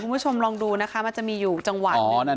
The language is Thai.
คุณผู้ชมลองดูนะคะมันจะมีอยู่จังหวัดหนึ่ง